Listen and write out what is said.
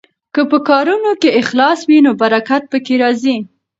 که په کارونو کې اخلاص وي نو برکت پکې راځي.